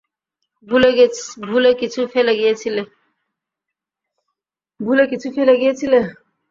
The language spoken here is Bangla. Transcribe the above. ভুলে কিছু ফেলে গিয়েছিলে?